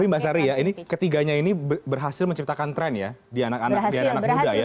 tapi mbak sari ya ini ketiganya ini berhasil menciptakan tren ya di hari anak muda ya